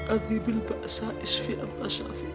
adzibil ba'asah isfi'an tasyafi